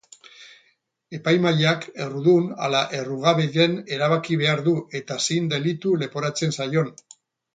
Epaimahaiak errudun ala errugabe den erabaki behar du eta zein delitu leporatzen zaion.